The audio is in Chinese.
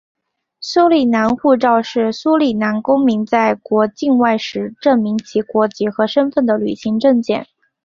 苏里南护照是苏里南公民在国境外时证明其国籍和身份的旅行证件。